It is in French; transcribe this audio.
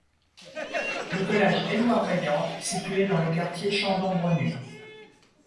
Le collège Edouard Vaillant situé dans le quartier Chandon-Brenu.